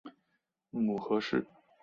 母何氏。